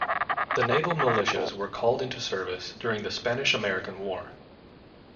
The naval militias were called into service during the Spanish-American War.